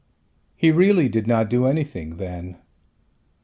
He really did not do anything then.